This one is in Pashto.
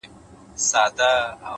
سکون له دننه پیدا کېږي,